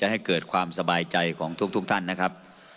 ให้เกิดความสบายใจของทุกท่านนะครับ